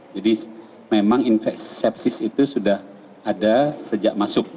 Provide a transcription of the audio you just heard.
jadi memang infeksi sepsis itu sudah ada sejak masuk